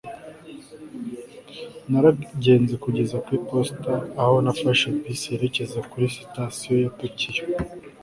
naragenze kugera ku iposita, aho nafashe bisi yerekeza kuri sitasiyo ya tokiyo